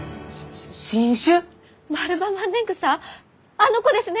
あの子ですね！